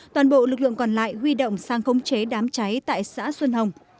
toàn bộ lực lượng còn lại huy động sang khống chế đám cháy tại xã xuân hồng